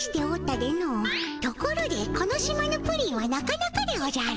ところでこの島のプリンはなかなかでおじゃる。